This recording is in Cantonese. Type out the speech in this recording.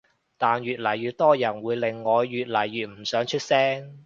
但越嚟越多人會令我越嚟越唔想出聲